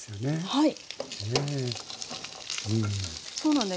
はい。